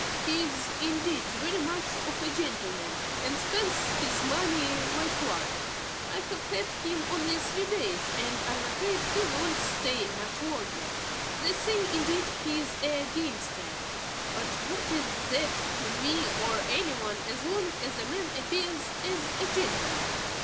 He is, indeed, very much of a gentleman, and spends his money like one. I have had him only three days, and I am afraid he won't stay much longer. They say, indeed, he is a gamester; but what is that to me or any one, as long as a man appears as a gentleman?